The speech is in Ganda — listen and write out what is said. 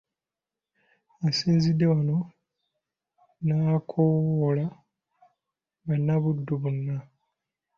Asinzidde wano n'akoowoola bannabuddu bonna